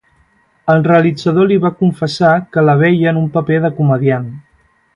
El realitzador li va confessar que la veia en un paper de comediant.